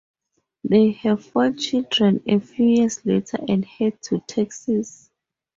They have four children a few years later and head to Texas.